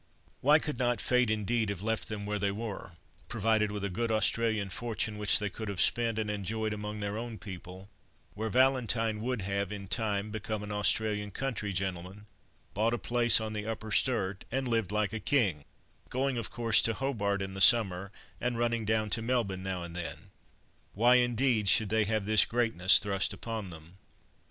Why could not Fate indeed have left them where they were, provided with a good Australian fortune, which they could have spent, and enjoyed among their own people, where Valentine would have, in time, become an Australian country gentleman, bought a place on the Upper Sturt, and lived like a king, going of course to Hobart in the summer, and running down to Melbourne now and then? Why indeed should they have this greatness thrust upon them?